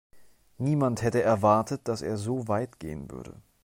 Niemand hätte erwartet, dass er so weit gehen würde.